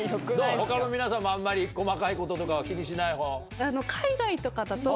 他の皆さんもあんまり細かいこととかは気にしないほう？